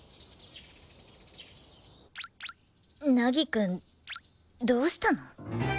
凪くんどうしたの？